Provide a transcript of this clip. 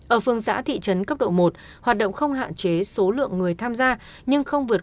ở phương xã thị trấn cấp độ một hoạt động không hạn chế số lượng người tham gia nhưng không vượt